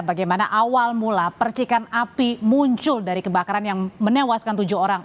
bagaimana awal mula percikan api muncul dari kebakaran yang menewaskan tujuh orang